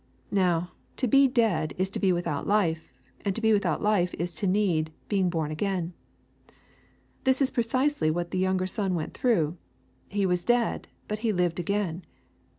Now to be dead is to be without life, and to be without life is to need " being born again." This is precisely what the younger son went through, — ^he was dead, but he " lived again."